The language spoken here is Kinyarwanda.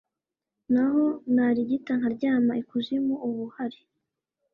N’aho narigita nkaryama ikuzimu uba uhari